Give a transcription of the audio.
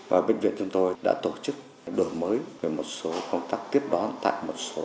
và bệnh viện chúng tôi đã tổ chức tiếp đón chú đáo hướng dẫn tận tình tỉ mỉ